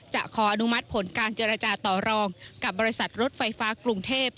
ขออนุมัติผลการเจรจาต่อรองกับบริษัทรถไฟฟ้ากรุงเทพ